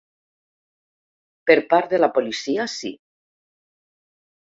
Per part de la policia, sí.